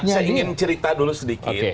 saya ingin cerita dulu sedikit